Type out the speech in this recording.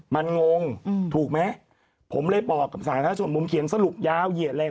มันงงถูกมั้ยผมเลยบอกกับสหรัฐชนมุมเขียนสรุปยาวเหยียดเลย